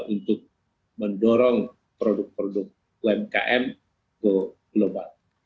untuk mendorong produk produk umkm ke global